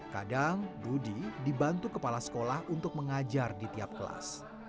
kadang dudi dibantu kepala sekolah untuk mengajar di tiap kelas